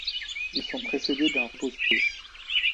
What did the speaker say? Ils sont précédés d'un repose-pieds.